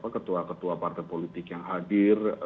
ketua ketua partai politik yang hadir